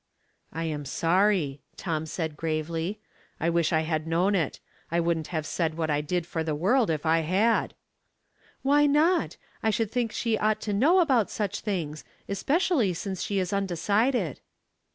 "*' I am sorry," Tom said gravely. " I wish I had known it. I wouldn't have said what I did for the world, if I had." " Why not ? I should think she ought to know about such things, especially since she is undecided."